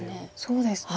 そうですね。